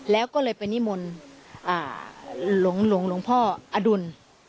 แล้วก็เลยไปนิมนต์หลวงพ่ออดุล